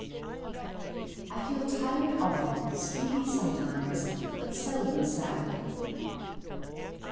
"I feel tired often, sleepy sometimes, but seldom sad."